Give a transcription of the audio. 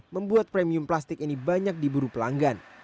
membuat premium plastik ini banyak diburu pelanggan